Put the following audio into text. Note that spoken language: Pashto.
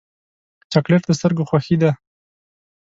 چاکلېټ د سترګو خوښي ده.